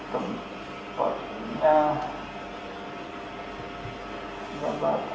harus menggunakan semua resiko kerjaan terus menaruh